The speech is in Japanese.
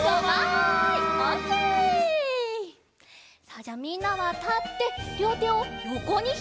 さあじゃあみんなはたってりょうてをよこにひろげます！